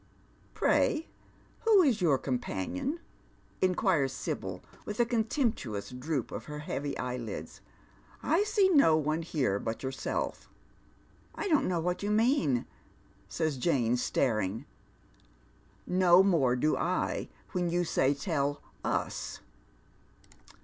" Pray, who is your companion ?" inquires Sibyl, with a con temptuous droop of her heavy eyelids. " 1 see no one here but yourself." " I don't know what you mean," says Jane, staring. *' No more do I when you say tell us."